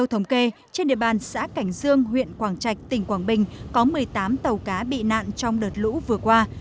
tại xã cảnh dương huyện quảng trạch tỉnh quảng bình có một mươi tám tàu cá bị nạn trong đợt lũ vừa qua